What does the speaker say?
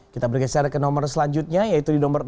kita bergeser ke nomor selanjutnya yaitu di nomor empat